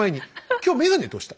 今日眼鏡どうした？